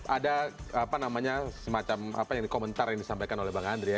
ada semacam komentar yang disampaikan oleh bang andre ya